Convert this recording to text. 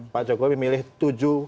pak jokowi milih tujuh